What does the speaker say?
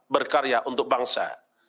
berkarya untuk bangsa